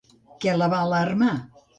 Què la va alarmar?